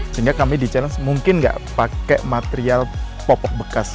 sehingga kami di challenge mungkin nggak pakai material popok bekas